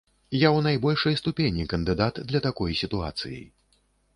Я ў найбольшай ступені кандыдат для такой сітуацыі.